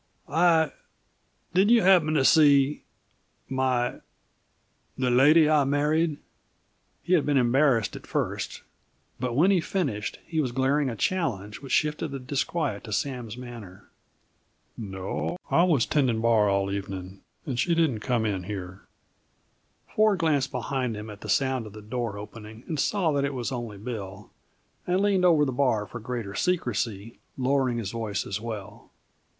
"I did you happen to see my the lady I married?" He had been embarrassed at first, but when he finished he was glaring a challenge which shifted the disquiet to Sam's manner. "No. I was tendin' bar all evenin' and she didn't come in here." Ford glanced behind him at the sound of the door opening, saw that it was only Bill, and leaned over the bar for greater secrecy, lowering his voice as well.